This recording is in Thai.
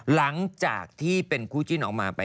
หลังจากที่เป็นคู่จิ้นออกมาไป